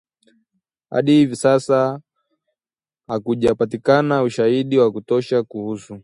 hadi hivi sasa hakujapatikana ushahidi wa kutosha kuhusu